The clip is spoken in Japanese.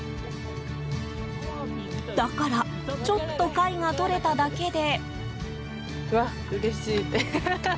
だからちょっと貝がとれただけで。